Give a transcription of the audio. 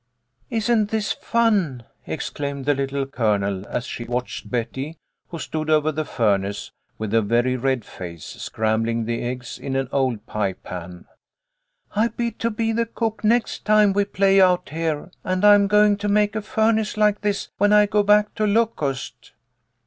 "Isn't this fun !" exclaimed the Little Colonel, as she watched Betty, who stood over the furnace 46 "TO BARLEY BRIGHT." 47 with a very red face, scrambling the eggs in an old pie pan. "I bid to be the cook next time we play out here, and I'm going to make a furnace like this when I go back to Locust."